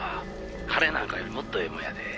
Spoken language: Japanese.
「金なんかよりもっとええもんやで」